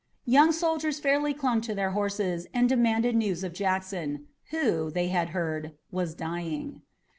Young soldiers fairly clung to their horses and demanded news of Jackson, who, they had heard, was dying.